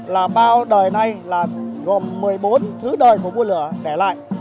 là bao đời nay là gồm một mươi bốn thứ đời của vua lửa để lại